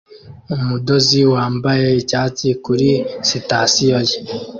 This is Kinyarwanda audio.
Umudozi wambaye icyatsi kuri sitasiyo ye